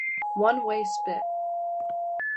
One Way Spit!